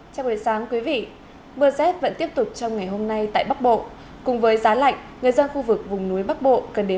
chào mừng quý vị đến với bộ phim hãy nhớ like share và đăng ký kênh của chúng mình nhé